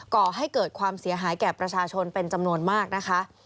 ก่อให้เกิดความเสียหายแก่ประชาชนเป็นจำนวนมากนะคะ